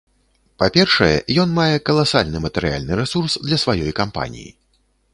Па-першае, ён мае каласальны матэрыяльны рэсурс для сваёй кампаніі.